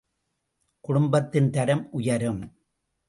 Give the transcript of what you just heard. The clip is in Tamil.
குடும்பத்தின் தரம் உயரும்.